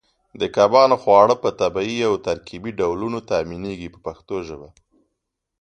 د کبانو خواړه په طبیعي او ترکیبي ډولونو تامینېږي په پښتو ژبه.